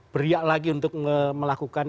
beriak lagi untuk melakukan